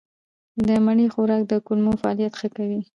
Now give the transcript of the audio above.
د مڼې خوراک د کولمو فعالیت ښه کوي.